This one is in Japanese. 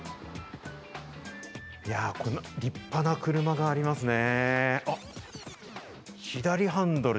いやー、立派な車がありますね。